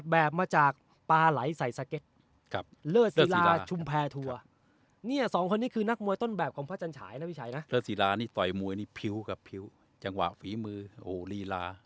เบือบวีมือรีลา